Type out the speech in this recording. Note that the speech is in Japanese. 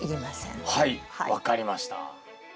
はい分かりました。